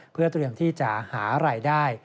เพื่อเตรียมที่จะหารายได้